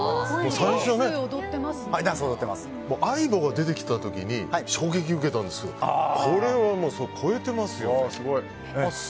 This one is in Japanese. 最初、アイボが出てきた時に衝撃を受けたんですけどこれは、もう超えてますよ。